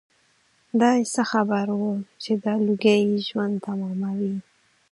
دای څه خبر و چې دا لوګي یې ژوند تماموي.